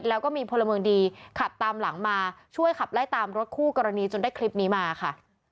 แล้วก็มีพลเมืองดีขับตามหลังมาช่วยขับไล่ตามรถคู่กรณีจนได้คลิปนี้มาค่ะ